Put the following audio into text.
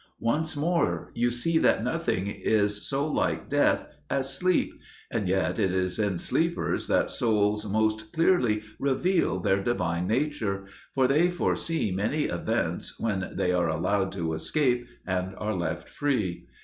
Once more, you see that nothing is so like death as sleep. And yet it is in sleepers that souls most clearly reveal their divine nature; for they foresee many events when they are allowed to escape and are left free.